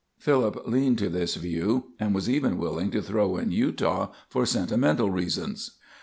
Philip leaned to this view, and was even willing to throw in Utah for sentimental reasons."